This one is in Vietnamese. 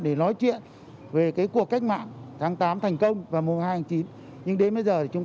để nói chuyện về cái cuộc cách mạng tháng tám thành công và mùng hai tháng chín nhưng đến bây giờ thì chúng